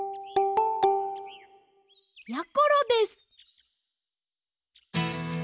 やころです！